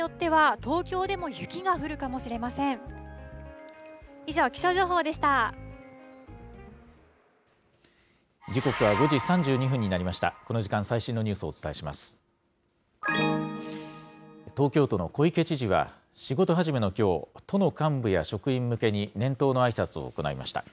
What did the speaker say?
東京都の小池知事は、仕事始めのきょう、都の幹部や職員向けに年頭のあいさつを行いました。